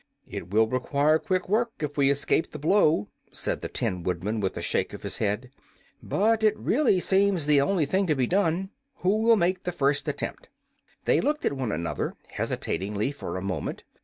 "It will require quick work, if we escape the blow," said the Tin Woodman, with a shake of his head. "But it really seems the only thing to be done. Who will make the first attempt?" They looked at one another hesitatingly for a moment.